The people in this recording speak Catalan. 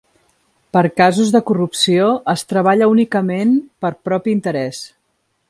Per casos de corrupció, es treballa únicament per propi interès.